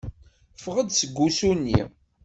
Ffeɣ-d seg wusu-nni.